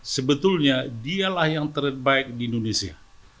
sebetulnya dialah yang terbaik di indonesia